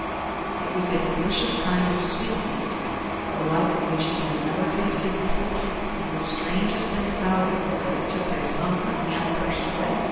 It was a delicious kind of sweetmeat, the like of which he had never tasted before; and the strangest thing about it was that it took his hunger and thirst away.